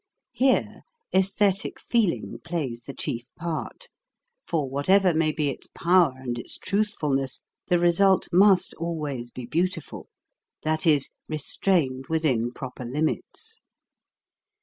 Here aesthetic feeling plays the chief part, for whatever may be its power and its truthfulness, the result must always be beautiful, that is, restrained within proper limits.